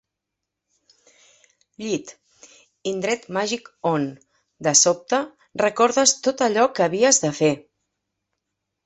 Llit: indret màgic on, de sobte, recordes tot allò que havies de fer.